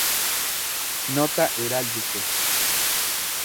Nota heráldico